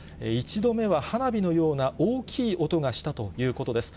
１度目は花火のような大きい音がしたということです。